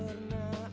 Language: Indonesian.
aduh cantik kok